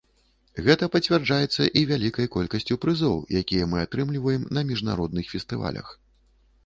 Гэта пацвярджаецца і вялікай колькасцю прызоў, якія мы атрымліваем на міжнародных фестывалях.